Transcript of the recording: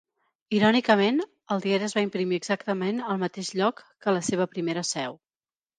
Irònicament, el diari es va imprimir exactament al mateix lloc que la seva primera seu.